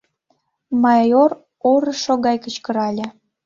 — майор орышо гай кычкырале.